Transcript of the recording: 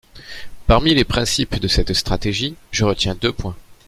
Parmi les principes de cette stratégie, je retiens deux points.